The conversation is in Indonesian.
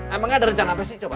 emangnya ada rencana apa sih coba